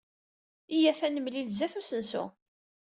Iyyat ad nemlil sdat usensu.